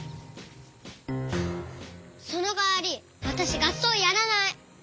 そのかわりわたしがっそうやらない。